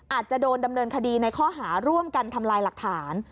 อาจจะโดนดำเนินคดีในข้อหาร่วมกันทำลายหลักฐาน